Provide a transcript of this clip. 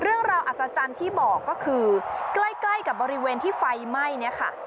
เราอัศจรรย์ที่บอกก็คือใกล้กับบริเวณที่ไฟไหม้เนี่ยค่ะ